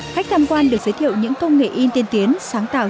khách tham quan được giới thiệu những công nghệ in tiên tiến sáng tạo